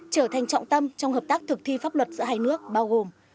trở thành trọng tâm trong hợp tác thực thi pháp luật giữa hai nước bao gồm